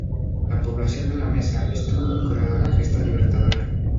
La población de La Mesa estuvo vinculada a la gesta libertadora.